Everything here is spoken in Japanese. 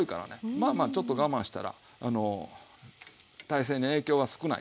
まあまあちょっと我慢したら大勢に影響は少ないから。